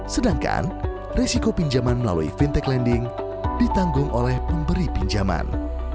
sedangkan risiko pinjaman melalui fintech lending ditanggung oleh pemberi pinjaman